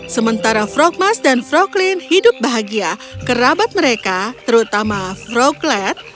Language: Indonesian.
sementara frogmas dan froglin hidup bahagia kerabat mereka terutama froglet